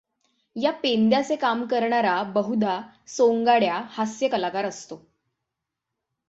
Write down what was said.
या पेंद्याचे काम करणारा बहुधा सोंगाड्या हास्य कलाकार असतो.